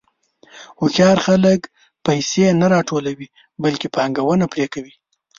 هوښیار خلک پیسې نه راټولوي، بلکې پانګونه پرې کوي.